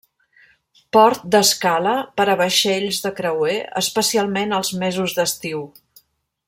Port d'escala per a vaixells de creuer, especialment als mesos d'estiu.